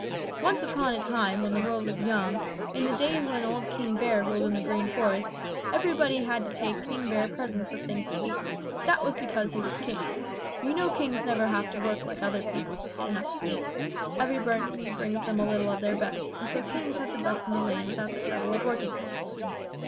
"Once upon a time when the world was young, in the days when old King Bear ruled in the Green Forest, everybody had to take King Bear presents of things to eat. That was because he was king. You know kings never have to work like other people to get enough to eat; everybody brings them a little of their best, and so kings have the best in the land without the trouble of working for it.